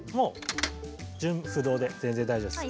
順不同で全然大丈夫です。